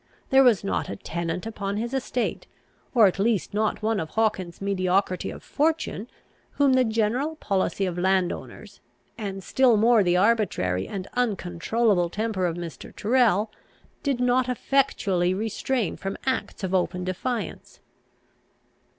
There was not a tenant upon his estate, or at least not one of Hawkins's mediocrity of fortune, whom the general policy of landowners, and still more the arbitrary and uncontrollable temper of Mr. Tyrrel, did not effectually restrain from acts of open defiance.